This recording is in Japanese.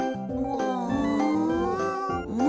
うん？